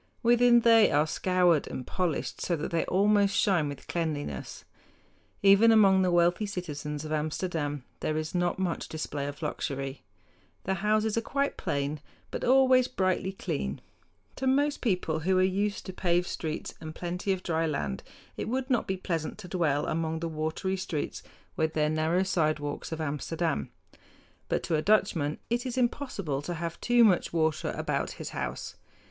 Within they are scoured and polished so that they almost shine with cleanliness. Even among the wealthy citizens of Amsterdam there is not much display of luxury. The houses are quite plain, but always brightly clean. To most people who are used to paved streets and plenty of dry land it would not be pleasant to dwell among the watery streets with their narrow sidewalks of Amsterdam; but to a Dutchman it is impossible to have too much water about his house.